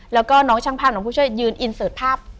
แล้วก็น้องช่างภาพน้องผู้ช่วยยืนอินเสิร์ตภาพ